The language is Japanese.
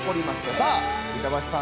さあ板橋さん